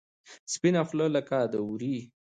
سپینه خوله لکه د ورې.